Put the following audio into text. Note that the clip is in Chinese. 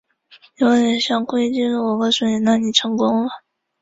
如果你是故意想想激怒我，我告诉你，那你成功了